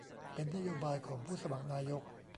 เป็นนโยบายของผู้สมัครนายก